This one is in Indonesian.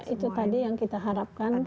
itu tadi yang kita harapkan